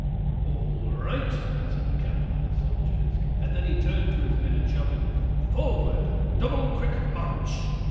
"All right," answered the captain of the soldiers; and then he turned to his men and shouted: "Forward double quick march!"